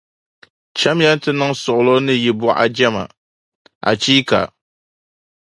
Chamiya n-ti niŋ suɣulo ni yi buɣajɛma, achiika!